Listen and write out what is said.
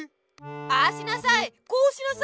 「ああしなさいこうしなさい」。